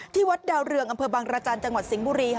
ที่วัดดาวเรืองอำเภอบางราจารย์จังหวัดสิงบุรีค่ะ